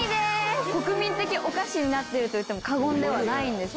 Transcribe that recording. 国民的お菓子になってると言っても過言ではないんです。